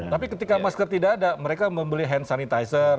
tapi ketika masker tidak ada mereka membeli hand sanitizer